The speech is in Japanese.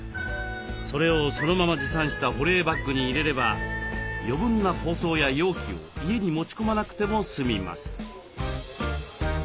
それをそのまま持参した保冷バッグに入れれば余分な包装や容器を家に持ち込まなくても済みます。